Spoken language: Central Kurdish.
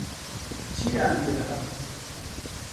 چییان لێهات